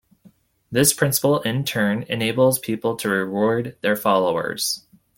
This principle, in turn, enables people to reward their followers.